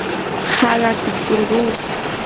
haqatukurquu.